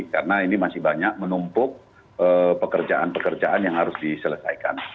karena ini masih banyak menumpuk pekerjaan pekerjaan yang harus diselesaikan